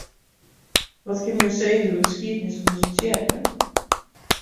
Wat kinne jo sizze oer de skiednis fan dizze tsjerke?